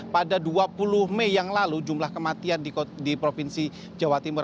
pada dua puluh mei yang lalu jumlah kematian di provinsi jawa timur